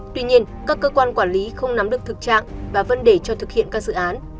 tuy nhiên các cơ quan quản lý không nắm được thực trạng và vẫn để cho thực hiện các dự án